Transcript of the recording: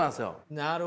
なるほど。